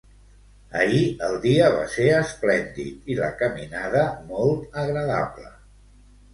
Ahir el dia va ser esplèndid i la caminada molt agradable.